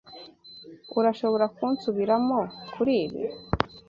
Urashobora kunsubiramo kuri ibi.